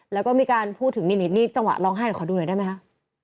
และก็มีการพูดถึงนิดนี่เวลาร้องไห้ขอดูหน่อยได้มั้ยครับ